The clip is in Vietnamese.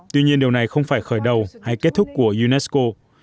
tuy nhiên điều này không phải khởi đầu hay kết thúc của unesco